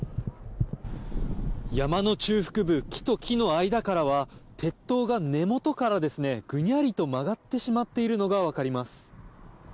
山の中腹部木と木の間からは鉄塔が根元からぐにゃりと曲がってしまっているのがわかります。